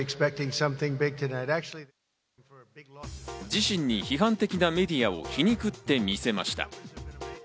自身に批判的なメディアを皮肉って見せました。